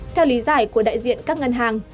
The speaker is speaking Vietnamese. theo lý giải của đại diện các ngân hàng